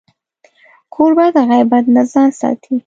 کوربه د غیبت نه ځان ساتي.